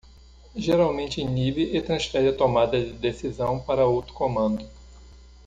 Geralmente inibe e transfere a tomada de decisão para outro comando.